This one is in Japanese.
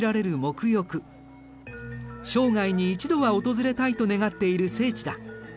生涯に一度は訪れたいと願っている聖地だ。